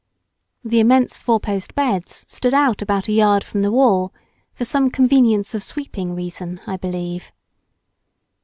The immense four post beds stood out about a yard from the wall, for some "convenience of sweeping" reason, I believe.